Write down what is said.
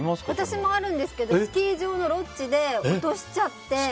私もあるんですけどスキー場のロッジで落としちゃって。